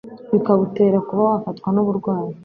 bikawutera kuba wafatwa nuburwayi